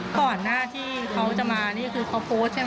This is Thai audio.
ก่อนหน้าที่เขาจะมานี่คือเขาโพสต์ใช่ไหม